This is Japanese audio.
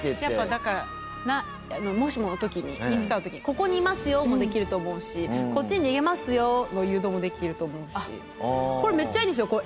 やっぱだからもしもの時にいつかの時に「ここにいますよ」もできると思うし「こっちに逃げますよ」の誘導もできると思うし。